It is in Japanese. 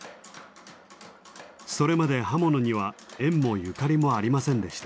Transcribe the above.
それまで刃物には縁もゆかりもありませんでした。